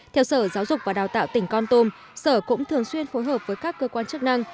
theo sở giáo dục và đào tạo tỉnh con tum sở cũng thường xuyên phối hợp với các cơ quan chức năng